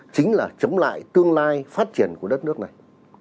chính là chống lại tương lai phát triển của đất nước này